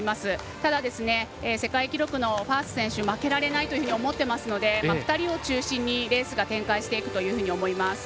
ただ、世界記録のファース選手負けられないと思っていますので２人を中心にレースが展開していくと思います。